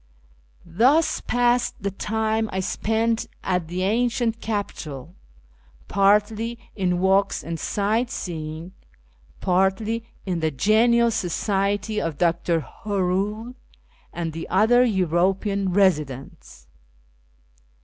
Thus passed the time I spent at the ancient capital, partly in walks and sight seeing, partly in the genial society of Dr. Hoernle and the other European residents.